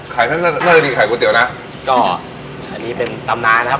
ไข่เล่นดีไข่ก๋วยเตี๋ยวนะก็อันนี้เป็นตำนานนะครับ